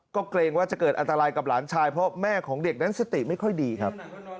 ก็เกรงว่าจะเกิดอันตรายกับหลานชายเพราะแม่ของเด็กนั้นสติไม่ค่อยดีครับ